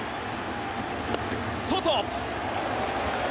外！